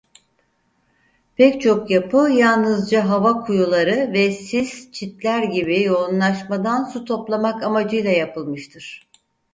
Pek çok yapı yalnızca hava kuyuları ve sis çitler gibi yoğunlaşmadan su toplamak amacıyla yapılmıştır.